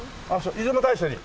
出雲大社に。